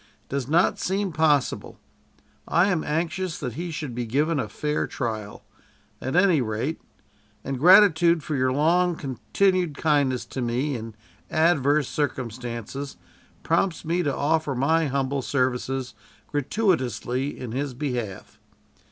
"It does not seem possible. I am anxious that he should be given a fair trial, at any rate; and gratitude for your long continued kindness to me in adverse circumstances prompts me to offer my humble services gratuitously in his behalf.